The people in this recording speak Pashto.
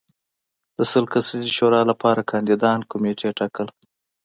د سل کسیزې شورا لپاره کاندیدان کمېټې ټاکل